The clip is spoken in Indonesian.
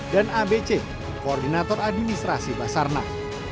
dan abc koordinator administrasi basar nas